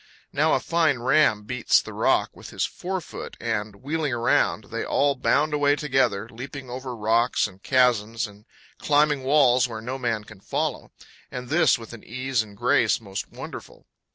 Now a fine ram beats the rock with his fore foot, and, wheeling around, they all bound away together, leaping over rocks and chasms and climbing walls where no man can follow, and this with an ease and grace most wonderful.